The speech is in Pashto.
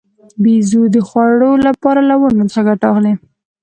بیزو د خوړو لپاره له ونو څخه ګټه اخلي.